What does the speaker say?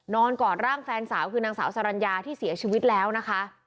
กอดร่างแฟนสาวคือนางสาวสรรญาที่เสียชีวิตแล้วนะคะ